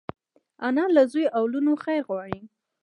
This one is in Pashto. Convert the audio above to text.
انا له زوی او لوڼو خیر غواړي